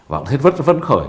và cũng thấy vất vấn khởi